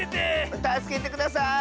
たすけてください！